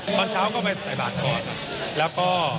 กลอนเช้าก็ไปตะไยบาลก่อนแล้วก็